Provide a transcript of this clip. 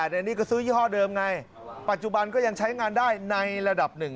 แต่นี่ก็ซื้อยี่ห้อเดิมไงปัจจุบันก็ยังใช้งานได้ในระดับหนึ่ง